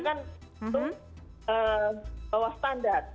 karena ini standarnya kan bawah standar